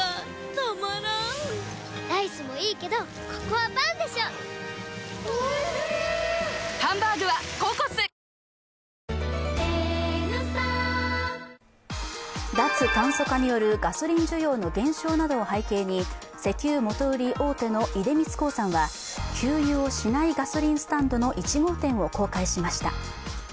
大豆だめっちゃおいしいわ大豆麺キッコーマン脱炭素化によるガソリン需要の減少などを背景に、石油元売り大手の出光興産は、給油をしないガソリンスタンドの１号店を公開しました。